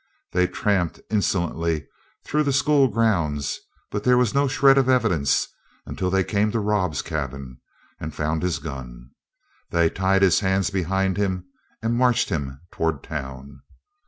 They tramped insolently through the school grounds, but there was no shred of evidence until they came to Rob's cabin and found his gun. They tied his hands behind him and marched him toward town.